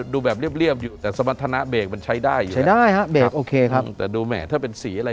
ได้เล่นคลิปเปอร์ทองเลยหรือนะ